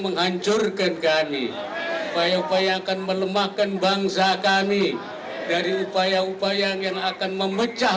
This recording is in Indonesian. menghancurkan kami upaya upaya akan melemahkan bangsa kami dari upaya upaya yang akan memecah